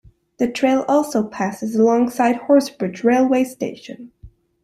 The trail also passes alongside Horsebridge railway station.